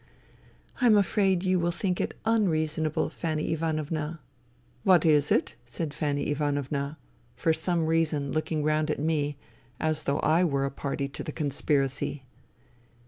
'*" I'm afraid you will think it unreasonable, Fanny Ivanovna." " What is it ?" said Fanny Ivanovna, for some reason looking round at me, as though I were a party to the conspiracy.